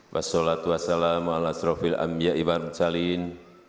wassalatu wassalamu ala srofil amya iwan salin